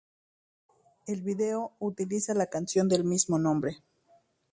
El video utiliza la canción del mismo nombre.